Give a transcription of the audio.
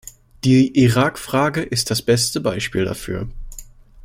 Die Irakfrage ist das beste Beispiel dafür.